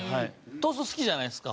トースト、好きじゃないですか。